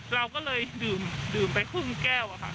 เราก็เลยดื่มไปครึ่งแก้วอะค่ะ